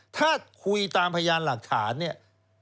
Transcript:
ถ้าคุยตามพยานหลักฐานเนี่ย